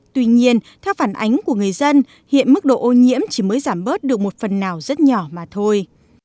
tuy nhiên theo phản ánh của người dân hiện mức độ ô nhiễm chỉ mới giảm bớt được một phần nào rất nhỏ mà thôi